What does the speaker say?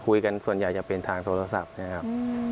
ส่วนใหญ่จะเป็นทางโทรศัพท์นะครับ